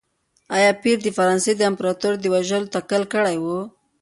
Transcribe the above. ایا پییر د فرانسې د امپراتور د وژلو تکل کړی و؟